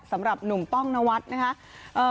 สำหรับหนุ่มป้องนวัดนะคะ